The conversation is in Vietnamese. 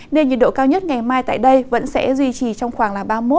nên nhiệt độ cao nhất ngày mai tại đây vẫn sẽ duy trì trong khoảng ba mươi một ba mươi ba độ